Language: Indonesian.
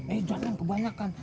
eh jangan kebanyakan